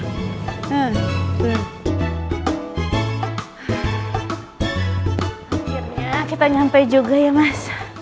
akhirnya kita nyampe juga ya mas